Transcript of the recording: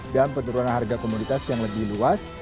dan penurunan harga komoditas yang lebih luas